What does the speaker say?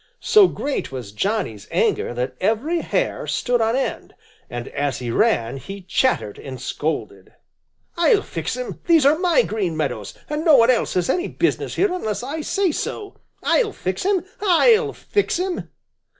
So great was Johnny's anger that every hair stood on end, and as he ran he chattered and scolded. "I'll fix him! These are my Green Meadows, and no one else has any business here unless I say so! I'll fix him! I'll fix him!"